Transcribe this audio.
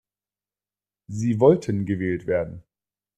Sie wollten gewählt werden.